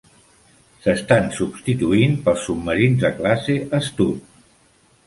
S'estan substituint pels submarins de classe "Astute".